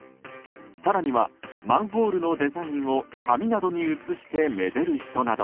更には、マンホールのデザインを紙などに写して、めでる人など。